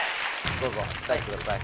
どうぞ答えてください。